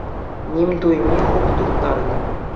Ним туйми хуп турттарнӑ.